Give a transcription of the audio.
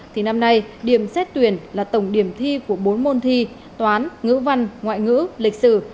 thì năm nay điểm xét tuyển là tổng điểm thi của bốn môn thi toán ngữ văn ngoại ngữ lịch sử